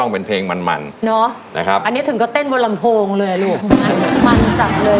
เป็นไหนถึงไว้เป็นเพื่ออะไร